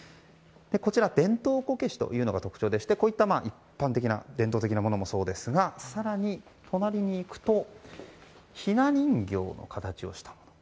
こちら、伝統こけしというのが特徴でしてこういった一般的な伝統的なものもそうですが更に、隣に行くとひな人形の形をしたもの